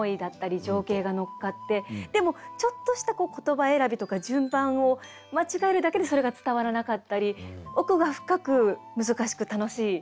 でもちょっとした言葉選びとか順番を間違えるだけでそれが伝わらなかったり奥が深く難しく楽しいものだなと感じてます。